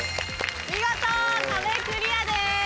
見事壁クリアです！